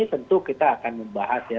tentu kita akan membahas ya